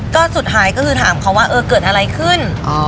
ก็สุดท้ายก็คือถามเขาว่าเออเกิดอะไรขึ้น